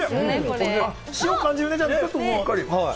塩、感じるね。